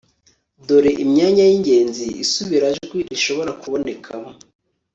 dore imyanya y'ingenzi isubirajwi rishobora kubonekamo